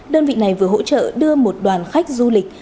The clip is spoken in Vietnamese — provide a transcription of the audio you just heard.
đơn vị này vừa hỗ trợ đưa một đoàn khách du lịch